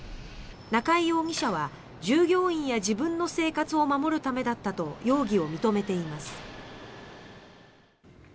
中井容疑者は従業員や自分の生活を守るためだったと容疑を認めています。